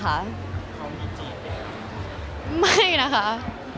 เขามีจีบได้หรือเปล่า